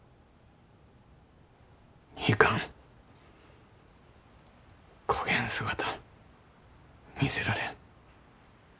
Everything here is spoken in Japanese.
いかんこげん姿見せられん。